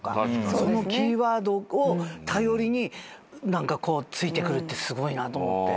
そのキーワードを頼りに何かこう突いてくるってすごいなと思って。